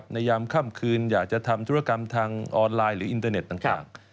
ยามค่ำคืนอยากจะทำธุรกรรมทางออนไลน์หรืออินเตอร์เน็ตต่าง